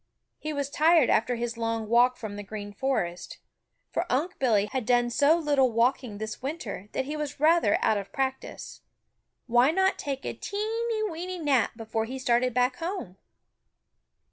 He was tired after his long walk from the Green Forest, for Unc' Billy had done so little walking this winter that he was rather out of practice. Why not take a teeny, weeny nap before he started back home?